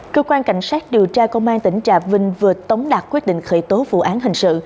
cơ quan cảnh sát điều tra công an tỉnh trà vinh vừa tống đạt quyết định khởi tố vụ án hình sự